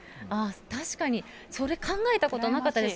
確かに、それ、考えたことなかったです。